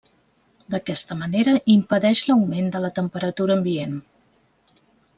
D'aquesta manera impedeix l'augment de la temperatura ambient.